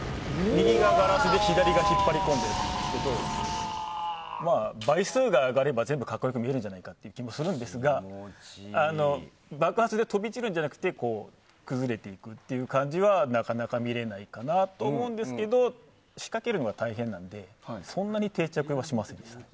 右がガラスで、左が引っ張り込んでいるんですけども倍数が上がれば全部格好よく見えるんじゃないかという感じがしますが爆発で飛び散るんじゃなくて崩れていく感じはなかなか見れないかなと思うんですが仕掛けるのが大変なのでそんなに定着はしませんでした。